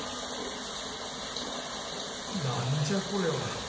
何じゃこれは。